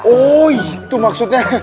oh itu maksudnya